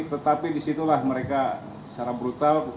tetapi disitulah mereka secara brutal